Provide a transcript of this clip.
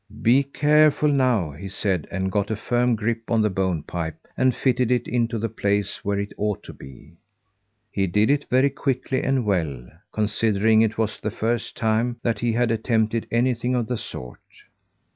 "Be careful, now!" he said; and got a firm grip on the bone pipe and fitted it into the place where it ought to be. He did it very quickly and well, considering it was the first time that he had attempted anything of the sort.